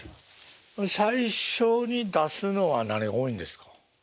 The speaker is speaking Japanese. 最初に出すのは何が多いんですか？